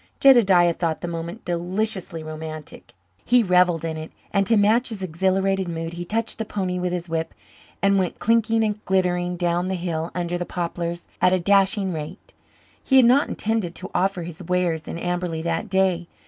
Jedediah thought the moment deliciously romantic. He revelled in it and, to match his exhilarated mood, he touched the pony with his whip and went clinking and glittering down the hill under the poplars at a dashing rate. He had not intended to offer his wares in Amberley that day.